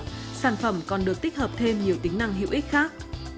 các sản phẩm còn được tích hợp thêm nhiều tính năng hữu ích khác